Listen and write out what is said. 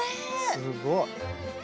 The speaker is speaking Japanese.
すごい。